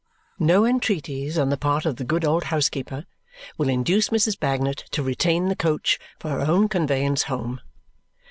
No entreaties on the part of the good old housekeeper will induce Mrs. Bagnet to retain the coach for her own conveyance home.